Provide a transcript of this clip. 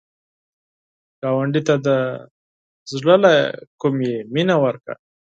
ګاونډي ته د زړه له کومي مینه ورکړه